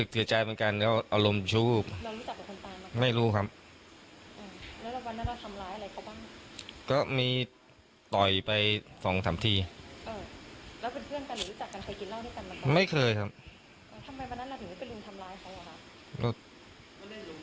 ทำไมวันนั้นหลังจากนี้เป็นรูมทำร้ายเขาหรอครับ